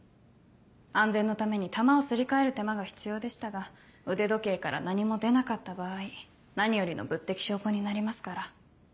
安全のために弾をすり替える手間が必要でしたが腕時計から何も出なかった場合何よりの物的証拠になりますから。